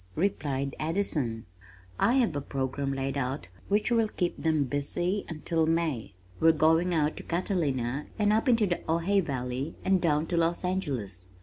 replied Addison. "I have a program laid out which will keep them busy until May. We're going out to Catalina and up into the Ojai valley and down to Los Angeles.